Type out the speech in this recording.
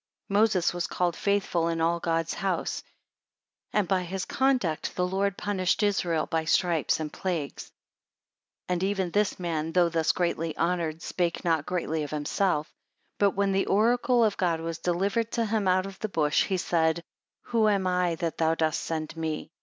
21 Moses was called faithful in all God's House; and by his conduct the Lord punished Israel by stripes and plagues. 22 And even this man, though thus greatly honoured, spake not greatly of himself; but when the oracle of God was delivered to him out of the bush, he said, Who am I, that thou dost send me?